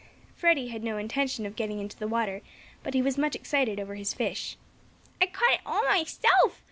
Freddie had no intention of getting into the water, but he was much excited over his fish. "I caught it all myself!"